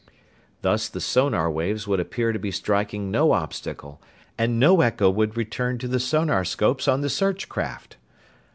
Thus the sonar waves would appear to be striking no obstacle and no echo would return to the sonarscopes on the search craft!